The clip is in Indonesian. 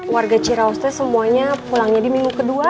warga cirau oste semuanya pulangnya di minggu kedua